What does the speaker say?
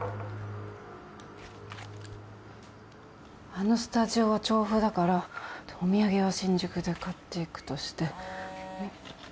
あのスタジオは調布だからお土産は新宿で買っていくとして。